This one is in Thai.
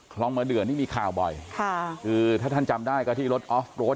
คลองมะเดือนี่มีข่าวบ่อยค่ะคือถ้าท่านจำได้ก็ที่รถออฟโรด